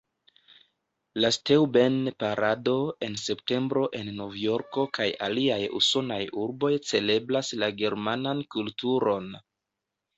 La Steuben-parado en septembro en Novjorko kaj aliaj usonaj urboj celebras la germanan kulturon.